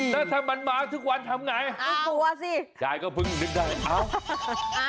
แล้วถ้ามันมาทุกวันทำไงรู้ตัวสิยายก็เพิ่งนึกได้เอ้า